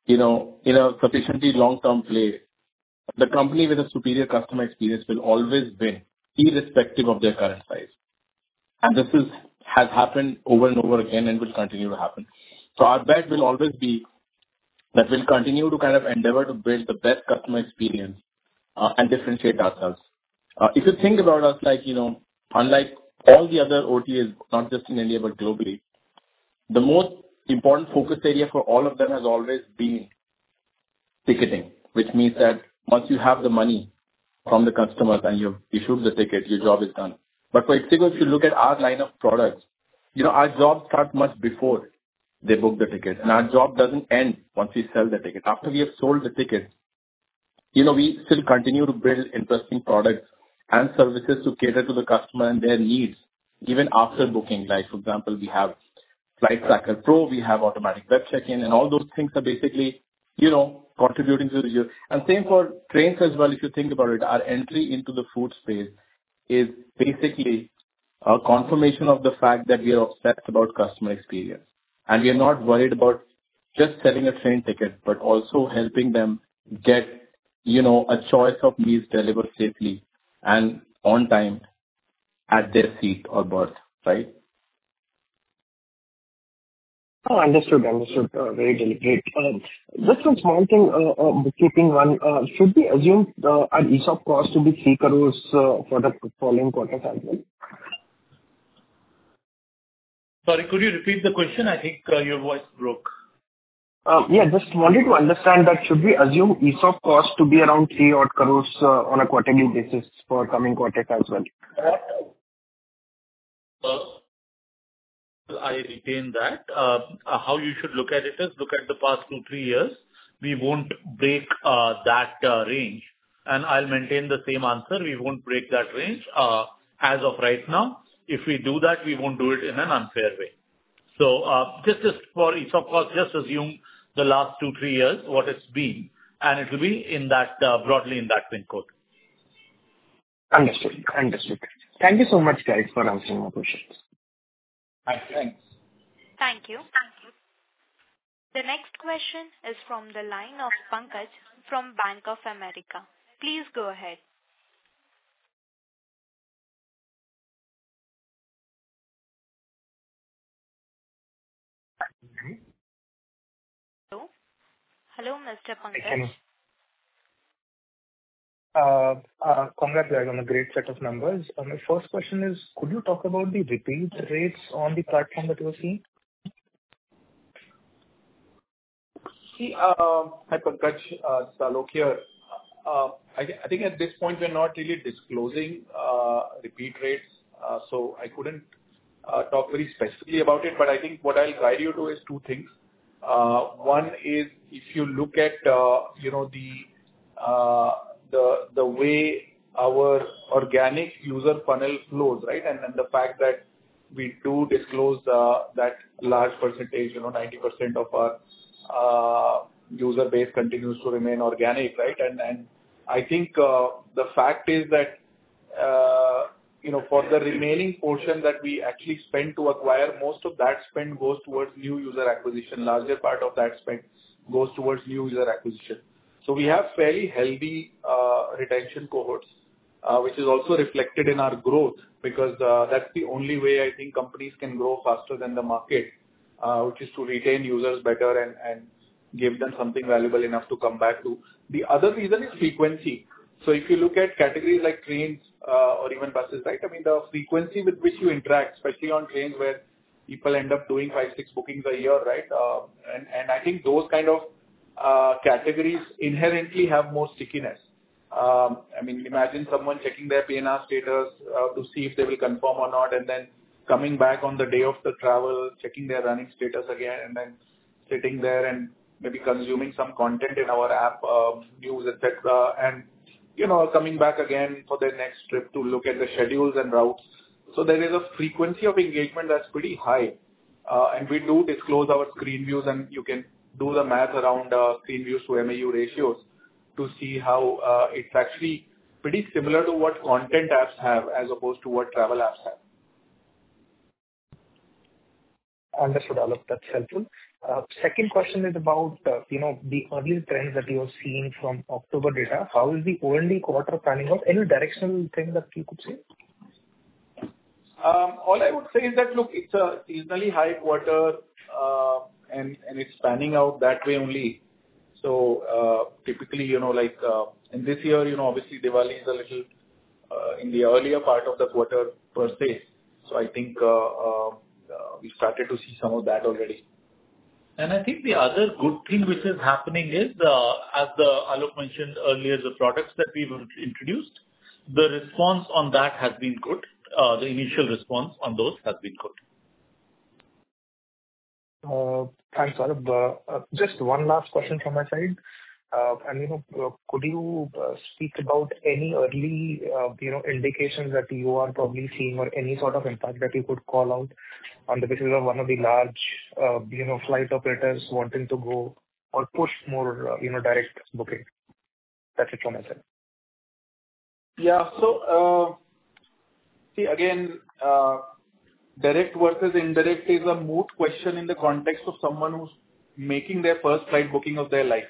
you know, in a sufficiently long-term play, the company with a superior customer experience will always win, irrespective of their current size. And this is, has happened over and over again and will continue to happen. So our bet will always be that we'll continue to kind of endeavor to build the best customer experience, and differentiate ourselves. If you think about us, like, you know, unlike all the other OTAs, not just in India, but globally, the most important focus area for all of them has always been ticketing. Which means that once you have the money from the customers and you've issued the ticket, your job is done, but for ixigo, if you look at our line of products, you know, our job starts much before they book the ticket, and our job doesn't end once we sell the ticket. After we have sold the ticket, you know, we still continue to build interesting products and services to cater to the customer and their needs even after booking. Like, for example, we have Flight Tracker Pro, we have automatic web check-in, and all those things are basically, you know, contributing to the.... and same for trains as well. If you think about it, our entry into the food space is basically a confirmation of the fact that we are obsessed about customer experience, and we are not worried about just selling a train ticket, but also helping them get, you know, a choice of meals delivered safely and on time, at their seat or berth, right?... Oh, understood, understood. Very delicate. Just one small thing, bookkeeping one, should we assume our ESOP cost to be 3 crore for the following quarter as well? Sorry, could you repeat the question? I think, your voice broke. Yeah, just wanted to understand that should we assume ESOP cost to be around three odd crore on a quarterly basis for coming quarter as well? I retain that. How you should look at it is, look at the past two, three years. We won't break that range, and I'll maintain the same answer. We won't break that range as of right now. If we do that, we won't do it in an unfair way. So, just as for ESOP cost, just assume the last two, three years, what it's been, and it'll be in that broadly in that same quarter. Understood. Understood. Thank you so much, guys, for answering my questions. Thanks. Thank you. The next question is from the line of Pankaj Sharma from Bank of America. Please go ahead. Hello? Hello, Mr. Pankaj. Congrats on a great set of numbers. My first question is, could you talk about the repeat rates on the platform that you were seeing? See, hi, Pankaj, Aloke here. I think at this point we're not really disclosing repeat rates, so I couldn't talk very specifically about it. But I think what I'll guide you to is two things. One is, if you look at, you know, the way our organic user funnel flows, right? And then the fact that we do disclose that large percentage, you know, 90% of our user base continues to remain organic, right? And I think the fact is that, you know, for the remaining portion that we actually spend to acquire, most of that spend goes towards new user acquisition. Larger part of that spend goes towards new user acquisition. So we have fairly healthy retention cohorts, which is also reflected in our growth, because that's the only way I think companies can grow faster than the market, which is to retain users better and give them something valuable enough to come back to. The other reason is frequency. So if you look at categories like trains or even buses, right? I mean, the frequency with which you interact, especially on trains, where people end up doing five, six bookings a year, right? And I think those kind of categories inherently have more stickiness. I mean, imagine someone checking their PNR status to see if they will confirm or not, and then coming back on the day of the travel, checking their running status again, and then sitting there and maybe consuming some content in our app, news, et cetera. You know, coming back again for their next trip to look at the schedules and routes. So there is a frequency of engagement that's pretty high. We do disclose our screen views, and you can do the math around screen views to MAU ratios to see how it's actually pretty similar to what content apps have as opposed to what travel apps have. Understood, Aloke, that's helpful. Second question is about, you know, the early trends that you're seeing from October data. How is the Q3 quarter panning out? Any directional thing that you could say? All I would say is that, look, it's a seasonally high quarter, and it's panning out that way only. So, typically, you know, like, and this year, you know, obviously Diwali is a little in the earlier part of the quarter per se. So I think, we started to see some of that already. I think the other good thing which is happening is, as Aloke mentioned earlier, the products that we've introduced, the response on that has been good. The initial response on those has been good. Thanks, Aloke. Just one last question from my side. And, you know, could you speak about any early, you know, indications that you are probably seeing or any sort of impact that you could call out on the basis of one of the large, you know, flight operators wanting to go or push more, you know, direct booking? That's it from my side. Yeah. So, see, again, direct versus indirect is a moot question in the context of someone who's making their first flight booking of their life,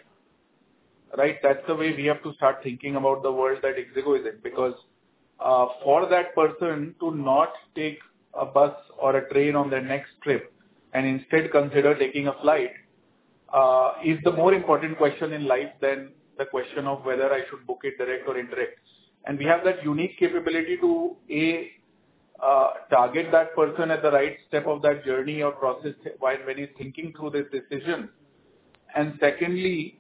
right? That's the way we have to start thinking about the world that ixigo is in, because for that person to not take a bus or a train on their next trip and instead consider taking a flight is the more important question in life than the question of whether I should book it direct or indirect, and we have that unique capability to A target that person at the right step of that journey or process while he's thinking through this decision, and secondly,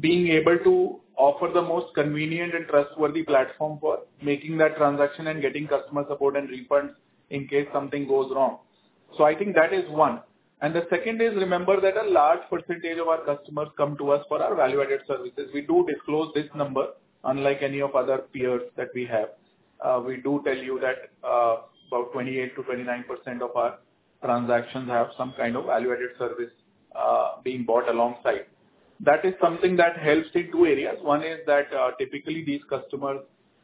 being able to offer the most convenient and trustworthy platform for making that transaction and getting customer support and refunds in case something goes wrong, so I think that is one. And the second is, remember that a large percentage of our customers come to us for our value-added services. We do disclose this number unlike any of other peers that we have. We do tell you that, about 28%-29% of our transactions have some kind of value-added service being bought alongside. That is something that helps in two areas. One is that, typically these customers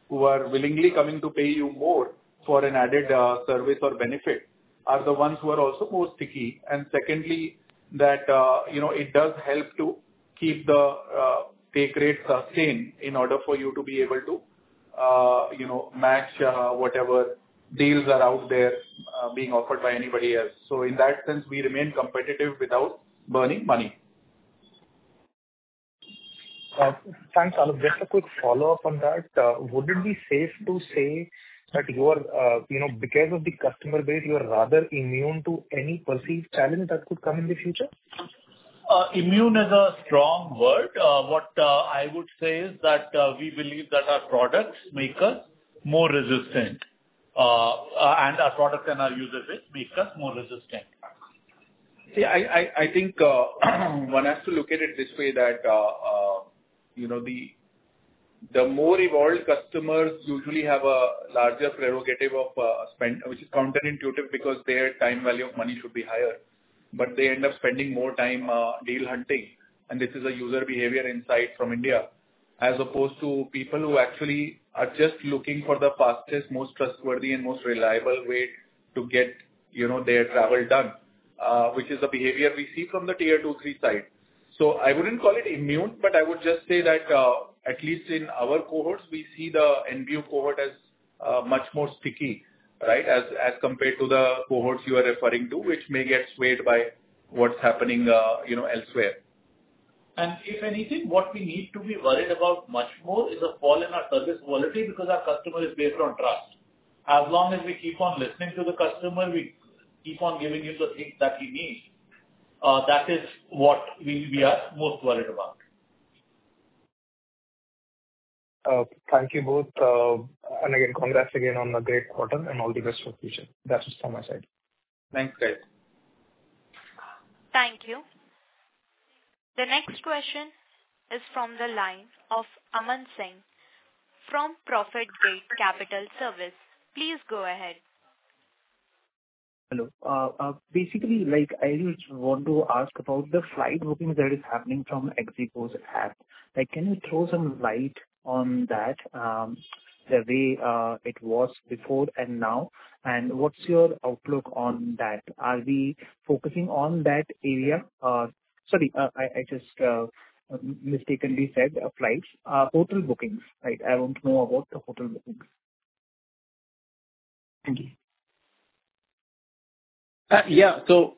who are willingly coming to pay you more for an added service or benefit are the ones who are also more sticky. And secondly, that you know, it does help to keep the take rates sustained in order for you to be able to-... you know, match whatever deals are out there, being offered by anybody else. So in that sense, we remain competitive without burning money. Thanks, Aloke. Just a quick follow-up on that. Would it be safe to say that you are, you know, because of the customer base, you are rather immune to any perceived challenge that could come in the future? Immune is a strong word. What I would say is that we believe that our products make us more resistant, and our products and our user base makes us more resistant. Yeah, I think one has to look at it this way, that you know, the more evolved customers usually have a larger prerogative of spend, which is counterintuitive, because their time value of money should be higher. But they end up spending more time deal hunting. And this is a user behavior insight from India, as opposed to people who actually are just looking for the fastest, most trustworthy and most reliable way to get you know, their travel done, which is a behavior we see from the Tier 2/Tier 3 side. So I wouldn't call it immune, but I would just say that at least in our cohorts, we see the NBU cohort as much more sticky, right? As compared to the cohorts you are referring to, which may get swayed by what's happening you know, elsewhere. If anything, what we need to be worried about much more is a fall in our service quality, because our customer is based on trust. As long as we keep on listening to the customer, we keep on giving him the things that he needs, that is what we are most worried about. Thank you both. And again, congrats again on the great quarter and all the best for the future. That's just on my side. Thanks, guys. Thank you. The next question is from the line of Aman Singh from ProfitGate Capital Services. Please go ahead. Hello. Basically, like, I just want to ask about the flight booking that is happening from ixigo's app. Like, can you throw some light on that, the way it was before and now? And what's your outlook on that? Are we focusing on that area? Sorry, I just mistakenly said flights. Hotel bookings, right? I want to know about the hotel bookings. Thank you. Yeah, so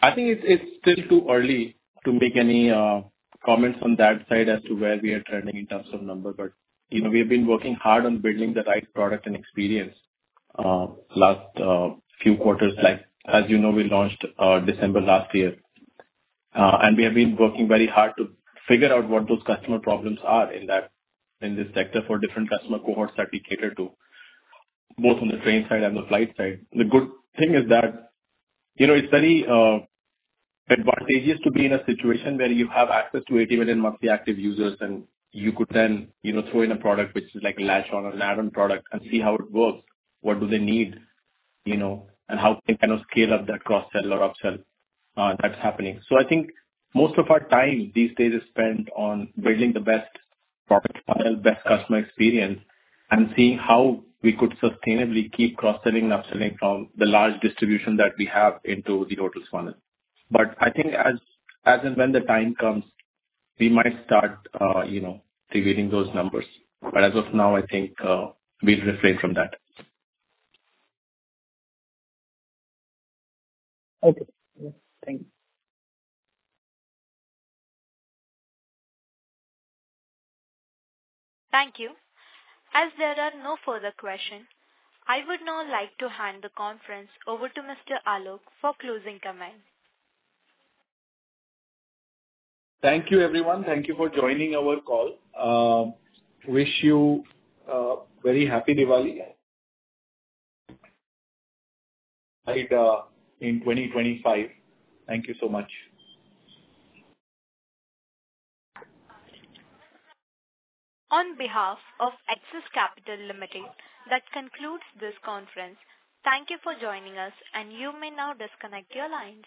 I think it's still too early to make any comments on that side as to where we are trending in terms of numbers, but you know, we have been working hard on building the right product and experience last few quarters. Like, as you know, we launched December last year, and we have been working very hard to figure out what those customer problems are in that, in this sector for different customer cohorts that we cater to, both on the train side and the flight side. The good thing is that, you know, it's very advantageous to be in a situation where you have access to 80 million monthly active users, and you could then, you know, throw in a product which is like a latch on or an add-on product and see how it works, what do they need, you know, and how can you scale up that cross-sell or upsell that's happening. So I think most of our time these days is spent on building the best product file, best customer experience, and seeing how we could sustainably keep cross-selling and up-selling from the large distribution that we have into the hotel space. But I think as and when the time comes, we might start, you know, figuring those numbers. But as of now, I think we've refrained from that. Okay. Yeah. Thank you. Thank you. As there are no further questions, I would now like to hand the conference over to Mr. Aloke for closing comments. Thank you, everyone. Thank you for joining our call. Wish you a very happy Diwali and 2025. Thank you so much. On behalf of Axis Capital Limited, that concludes this conference. Thank you for joining us, and you may now disconnect your lines.